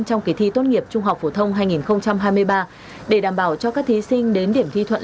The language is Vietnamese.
trong kỳ thi tốt nghiệp trung học phổ thông hai nghìn hai mươi ba để đảm bảo cho các thí sinh đến điểm thi thuận